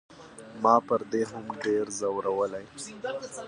ما پر دې هم ډېر زورولی.